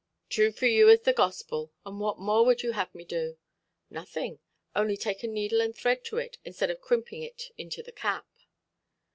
"Thrue for you as the Gospel. And what more wud you have me do"? "Nothing. Only take a needle and thread to it; instead of crimping it into the cap".